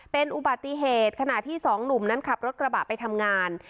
เป็นอุบัติเหตุขณะที่สองหนุ่มนั้นขับรถกระบะไปทำงาน